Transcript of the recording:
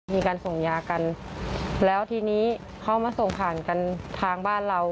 มีการส่งยากันแล้วทีนี้เขามาส่งผ่านกันทางบ้านเรา